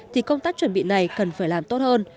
thì công tác chuẩn bị này cần phải làm tốt hơn